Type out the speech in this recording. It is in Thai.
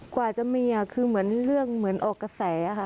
กว่าจะมีอ่ะคือของเหมือนกับเรื่องออกกระแสค่ะ